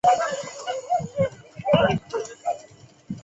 特征是乳白色的豚骨白汤。